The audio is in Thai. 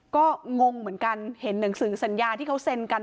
ก็งงเหมือนกันเห็นหนังสือสัญญาที่เขาเซ็นกัน